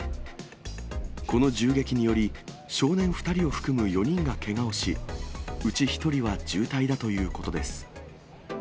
この銃撃により、少年２人を含む４人がけがをし、うち１人は重体だということです。